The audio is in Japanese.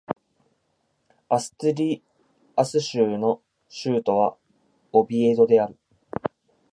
アストゥリアス州の州都はオビエドである